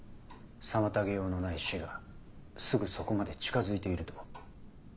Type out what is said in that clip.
「妨げようのない死がすぐそこまで近づいている」と。